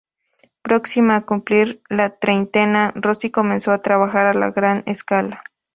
Próxima a cumplir la treintena, Rossi comenzó a trabajar a gran escala.